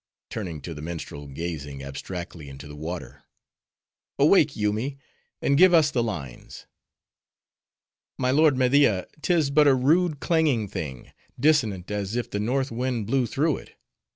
—turning to the minstrel, gazing abstractedly into the water;—"awake, Yoomy, and give us the lines." "My lord Media, 'tis but a rude, clanging thing; dissonant as if the north wind blew through it.